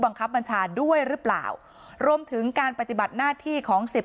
บังคับบัญชาด้วยหรือเปล่ารวมถึงการปฏิบัติหน้าที่ของสิบ